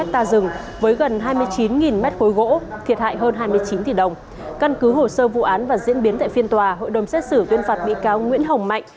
từ hồ sơ vụ án và diễn biến tại phiên tòa hội đồng xét xử tuyên phạt bị cáo nguyễn hồng mạnh